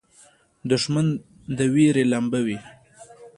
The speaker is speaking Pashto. دښمن د وېرې لمبه وي